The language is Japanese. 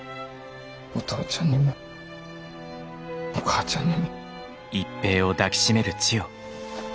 お父ちゃんにもお母ちゃんにも。